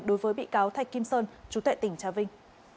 đối với bị cáo thạch kim sơn chú tệ tỉnh trà vinh